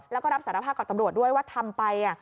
แล้วก็รับสารภาพกับตำรวจด้วยว่าทำไป